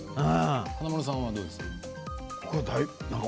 華丸さんは、どうですか？